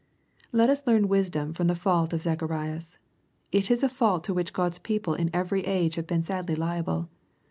Let us leaf:n wisdom from the fault of Zacharias. I^ is a fault to which God's people in every age have been sadly liable.